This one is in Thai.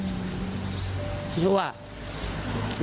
พี่จะอย่างนั้นอย่ะ